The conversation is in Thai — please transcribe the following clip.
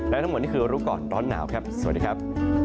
และทั้งหมดนี่คือรู้ก่อนร้อนหนาวครับสวัสดีครับ